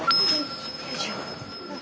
よいしょ。